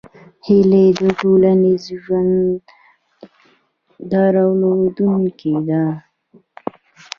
هیلۍ د ټولنیز ژوند درلودونکې ده